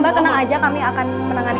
mbak tenang aja kami akan menangani